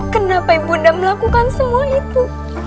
kenapa ibu nanda melakukan semua itu